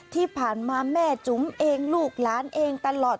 ที่ผ่านมาแม่จุ๋มเองลูกหลานเองตลอด